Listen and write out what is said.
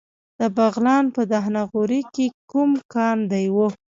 د بغلان په دهنه غوري کې کوم کان دی؟